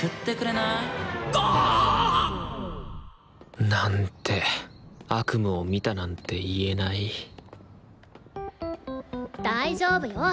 あ！なんて悪夢を見たなんて言えない大丈夫よ！